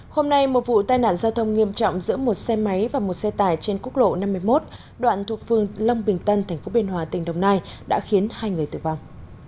hôm nay một vụ tai nạn giao thông nghiêm trọng giữa một xe máy và một xe tải trên quốc lộ năm mươi một đoạn thuộc phương long bình tân tp biên hòa tỉnh đồng nai đã khiến hai người tử vong